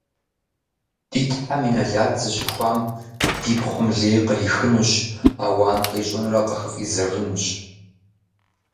- Ди Тхьэм и нэлат зыщыхуам ди пхъум лей кърихынущ, ауан къищӀынурэ къыхыфӀидзэжынущ.